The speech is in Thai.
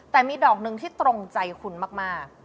แต่มีดอกหนึ่งที่ตรงใจคุณมาก